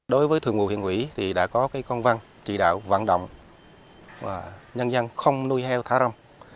đối với thượng vụ huyện ủy thì đã có con văn trị đạo vạn động nhân dân không nuôi heo thả rông